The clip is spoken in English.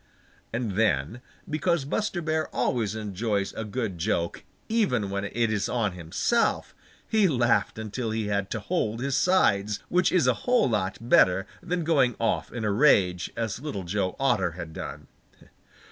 And then, because Buster Bear always enjoys a good joke even when it is on himself, he laughed until he had to hold his sides, which is a whole lot better than going off in a rage as Little Joe Otter had done.